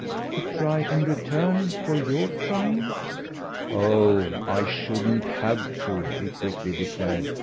"To 'try' in return for your trying?" "Oh I shouldn't have to!" he quickly declared.